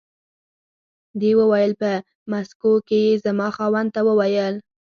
دې وویل په مسکو کې یې زما خاوند ته و ویل.